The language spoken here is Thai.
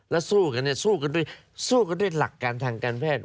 แล้วสู้กันด้วยสู้กันด้วยหลักการทางการแพทย์